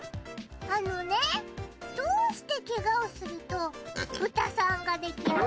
あのねどうしてケガをするとブタさんができるの？